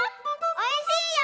おいしいよ！